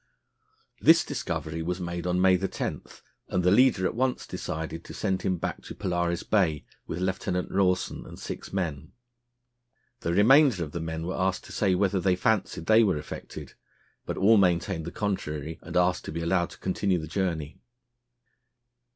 This discovery was made on May 10, and the leader at once decided to send him back to Polaris Bay with Lieutenant Rawson and six men. The remainder of the men were asked to say whether they fancied they were affected; but all maintained the contrary, and asked to be allowed to continue the journey.